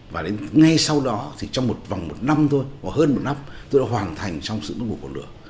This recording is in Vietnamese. và ngay sau đó thì trong vòng một năm thôi hoặc hơn một năm tôi đã hoàn thành trong sự mất ngủ của lửa